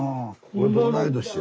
同い年よ。